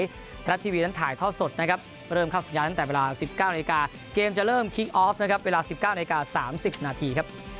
ไทยรัฐทีวีนั้นถ่ายท่อสดนะครับเริ่มเข้าสัญญาณตั้งแต่เวลา๑๙นาฬิกาเกมจะเริ่มคิกออฟนะครับเวลา๑๙นาที๓๐นาทีครับ